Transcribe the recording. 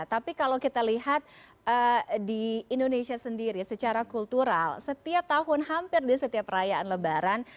tapi kalau kita lihat di indonesia sendiri secara kultural setiap tahun hampir di setiap perayaan lebaran